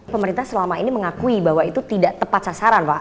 pemerintah selama ini mengakui bahwa itu tidak tepat sasaran pak